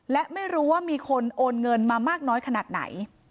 และไม่รู้ว่ามีคนโอนเงินมามากน้อยขนาดไหน